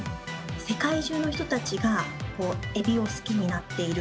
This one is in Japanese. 世界中の人たちがエビを好きになっている。